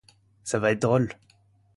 Ça va être drôle!